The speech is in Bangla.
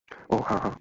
অহ, হ্যাঁ, হ্যাঁ।